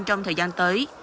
trong thời gian tới